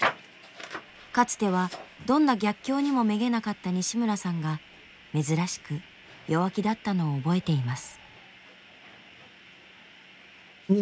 かつてはどんな逆境にもめげなかった西村さんが珍しく弱気だったのを覚えています。